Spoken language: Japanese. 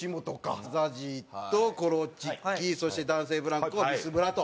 ＺＡＺＹとコロチキそして男性ブランコビスブラと。